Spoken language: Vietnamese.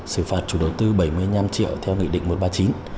xử phạt chủ đầu tư bảy mươi năm triệu theo nghị định một trăm ba mươi chín